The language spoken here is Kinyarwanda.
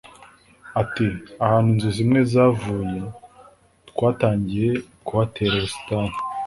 Ati “Ahantu inzu zimwe zavuye twatangiye kuhatera ubusitani